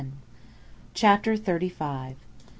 CHAPTER THIRTY FIVE.